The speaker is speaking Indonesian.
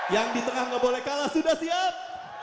yang di tengah nggak boleh kalah sudah siap